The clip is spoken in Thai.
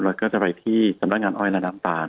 เราก็จะไปที่จำนวนงานอ้อยละน้ำตาล